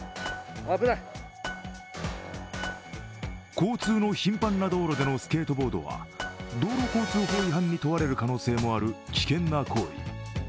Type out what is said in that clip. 交通の頻繁な道路でのスケートボードは道路交通法違反に問われる可能性もある危険な行為。